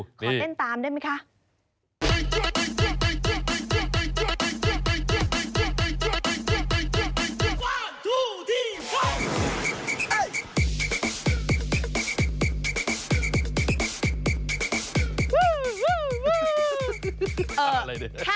ขอเต้นตามได้ไหมคะ